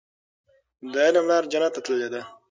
د علم لاره جنت ته تللې ده.